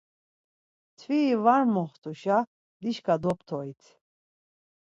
Mtviri var moxtuşa dişka doptorit.